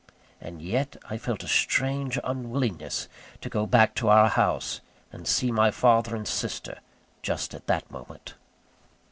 And yet, I felt a strange unwillingness to go back to our house, and see my father and sister, just at that moment.